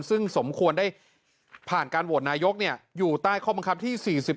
ซึ่งสมควรได้ผ่านการโหวตนายกอยู่ใต้ข้อบังคับที่๔๔